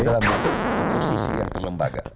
dalam bentuk oposisi yang terlembaga